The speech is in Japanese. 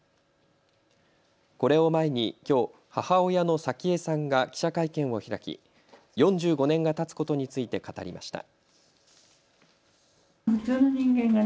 これを前にきょう母親の早紀江さんが記者会見を開き４５年がたつことについて語りました。